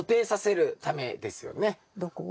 どこを？